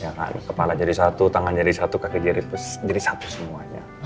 ya kan kepala jadi satu tangan jadi satu kaki jadi satu semuanya